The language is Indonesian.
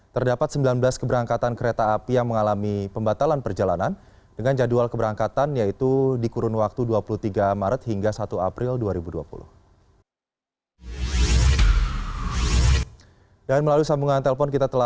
terdapat sembilan belas keberangkatan kereta api yang mengalami pembatalan perjalanan dengan jadwal keberangkatan yaitu di kurun waktu dua puluh tiga maret hingga satu april dua ribu dua puluh